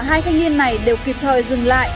hai thanh niên này đều kịp thời dừng lại